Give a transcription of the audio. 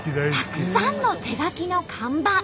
たくさんの手書きの看板。